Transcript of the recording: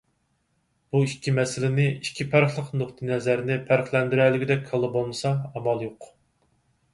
بۇ ئىككى مەسىلىنى، ئىككى پەرقلىق نۇقتىئىنەزەرنى پەرقلەندۈرەلىگۈدەك كاللا بولمىسا، ئامال يوق.